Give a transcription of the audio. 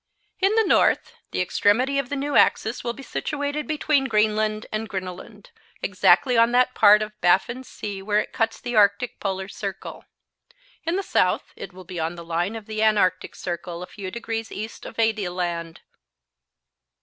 In the North the extremity of the new axis will be situated between Greenland and Grinnelland, exactly on that part of Baffin's Sea where it cuts the Arctic polar circle. In the South it will be on the line of the antarctic circle, a few degrees east of Adelialand.